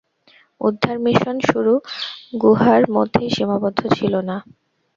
উদ্ধার মিশন শুধু গুহার মধ্যেই সীমাবদ্ধ ছিল না।